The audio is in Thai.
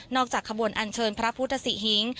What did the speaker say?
จากขบวนอันเชิญพระพุทธศิหิง